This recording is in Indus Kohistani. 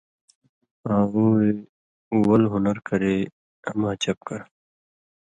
آں ووئے ول ہُنر کرے اما چپ کرہ